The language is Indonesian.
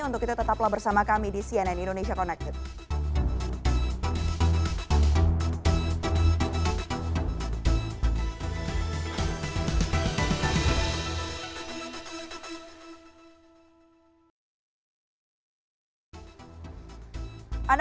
untuk itu tetaplah bersama kami di cnn indonesia connected